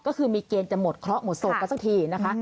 ก็คือมีเกณฑ์จะหมดเคราะห์หมดโศกกันสักทีนะคะ